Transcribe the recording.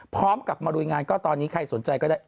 พร้อมกับมาลุยงานก็ตอนนี้ใครสนใจก็ได้